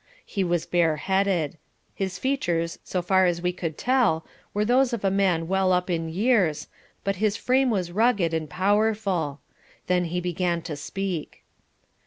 He was bare headed. His features, so far as we could tell, were those of a man well up in years, but his frame was rugged and powerful. Then he began to speak.